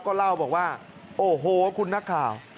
ก็เล่าบอกว่าโอ้โหคุณนักข่าว